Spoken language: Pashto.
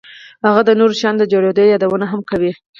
هغه د نورو شیانو د جوړېدو یادونه هم کوي